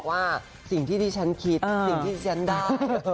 ว่าสิ่งที่ที่ฉันคิดสิ่งที่ฉันได้